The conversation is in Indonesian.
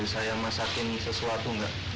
saya masakin sesuatu gak